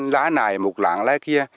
lá này một lạng lá kia